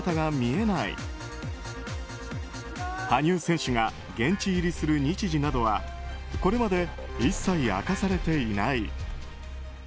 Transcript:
羽生選手が現地入りする日時などはこれまで一切明かされていない。